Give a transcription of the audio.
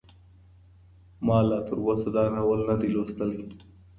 ما لا تر اوسه دا ناول نه دی لوستلی.